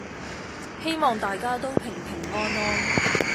希望大家都平平安安